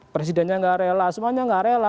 presidennya tidak rela semuanya tidak rela